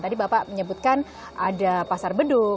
tadi bapak menyebutkan ada pasar beduk